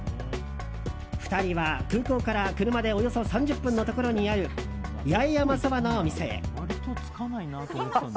２人は空港から車でおよそ３０分のところにある八重山そばのお店へ。